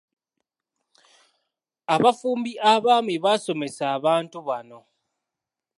Abafumbi abaami baasomesa abantu bano.